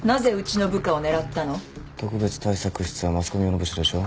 「特別対策室はマスコミ用の部署でしょ？